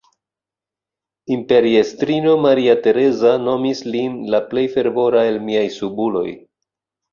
Imperiestrino Maria Tereza nomis lin "la plej fervora el miaj subuloj".